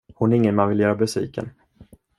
Hon är ingen man vill göra besviken.